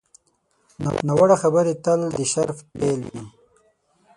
ناوړه خبرې تل د شر پیل وي